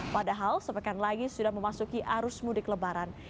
padahal sepekan lagi sudah memasuki arus mudik lebaran